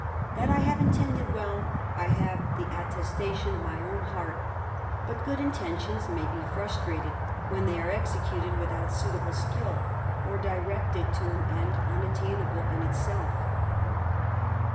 That I have intended well, I have the attestation of mj own heart: but good intentions may be frustrated when they are executed without suitable skill, or directed to an end unattainable in itself.